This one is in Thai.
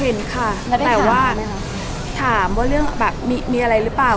เห็นค่ะแต่ว่าถามว่าเรื่องแบบมีอะไรหรือเปล่า